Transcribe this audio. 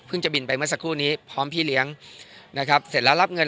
จะบินไปเมื่อสักครู่นี้พร้อมพี่เลี้ยงนะครับเสร็จแล้วรับเงิน